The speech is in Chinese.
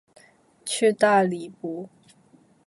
去大理不